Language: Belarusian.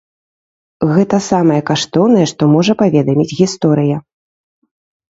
Гэта самае каштоўнае, што можа паведаміць гісторыя.